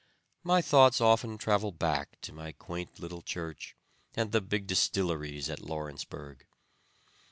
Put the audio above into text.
My thoughts often travel back to my quaint little church and the big distilleries at Lawrenceburg.